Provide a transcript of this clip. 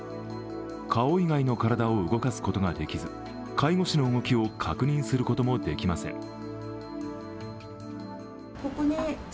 顔以外の体を動かすことができず、介護士の動きを確認することもできません。